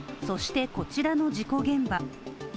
そして、こちらの事故現場。